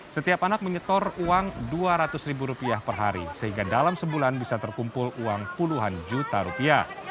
setiap anak menyetor uang dua ratus ribu rupiah per hari sehingga dalam sebulan bisa terkumpul uang puluhan juta rupiah